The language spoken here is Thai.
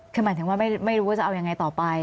คือหมายถึงว่าไม่รู้ว่าจะเอายังไงต่อไป